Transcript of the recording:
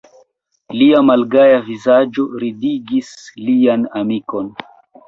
Lia malgaja vizaĝo ridigis lian amikon.